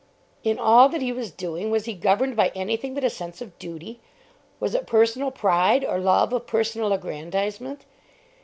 In all that he was doing was he governed by anything but a sense of duty? Was it personal pride or love of personal aggrandisement?